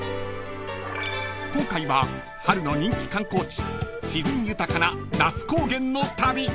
［今回は春の人気観光地自然豊かな那須高原の旅］